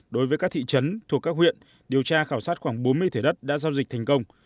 đối với các thị trấn thuộc các huyện điều tra khảo sát khoảng bốn mươi thửa đất đã giao dịch thành công